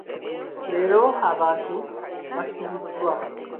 Leero abatu baasibiddwa.